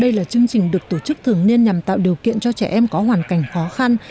đây là chương trình được tổ chức thường niên nhằm tạo điều kiện cho trẻ em có hoàn cảnh khó khăn